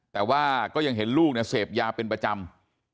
แต่ว่าก็ยังเห็นลูกเนี่ยเสพยาเป็นประจำ